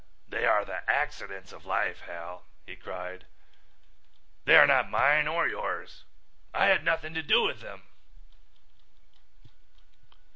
"They are the accidents of life, Hal," he cried. "They are not mine or yours. I had nothing to do with them."